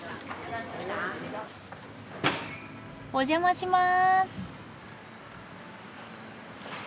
お邪魔します。